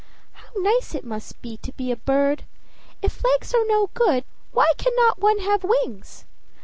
"How nice it must be to be a bird! If legs are no good, why cannot one have wings?